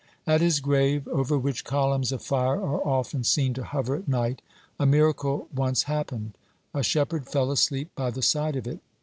(52) At his grave, over which columns of fire are often seen to hover at night, (53) a miracle once happened. A shepherd fell asleep by the side of it.